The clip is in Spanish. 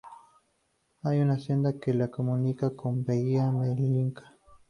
Hay una senda que la comunica con bahía Melinka.